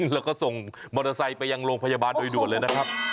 แล้วก็ส่งมอเตอร์ไซค์ไปยังโรงพยาบาลโดยด่วนเลยนะครับ